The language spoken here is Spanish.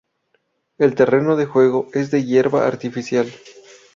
El terreno de juego es de hierba artificial.